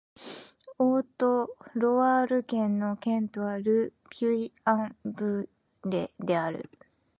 オート＝ロワール県の県都はル・ピュイ＝アン＝ヴレである